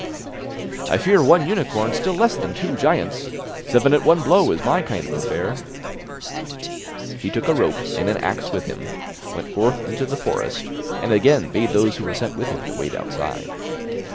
'I fear one unicorn still less than two giants. Seven at one blow, is my kind of affair.' He took a rope and an axe with him, went forth into the forest, and again bade those who were sent with him to wait outside.